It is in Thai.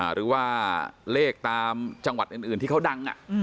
หรือว่าเลขตามจังหวัดอื่นที่เขาดัง